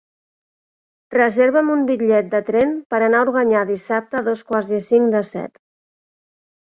Reserva'm un bitllet de tren per anar a Organyà dissabte a dos quarts i cinc de set.